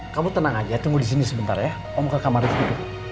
kamu tenang aja tunggu disini sebentar ya om ke kamar ripki